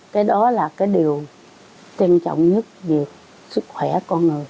cái đó là cái điều trân trọng nhất về sức khỏe con người